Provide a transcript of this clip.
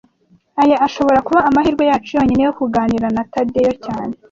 Aya ashobora kuba amahirwe yacu yonyine yo kuganira na Tadeyo cyane